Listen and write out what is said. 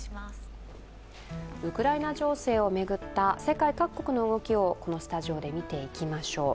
ウクライナ情勢を巡った世界各国の動きをこのスタジオで見ていきましょう。